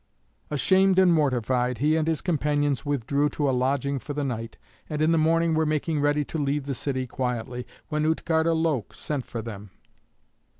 Ashamed and mortified, he and his companions withdrew to a lodging for the night, and in the morning were making ready to leave the city quietly, when Utgarda Loke sent for them.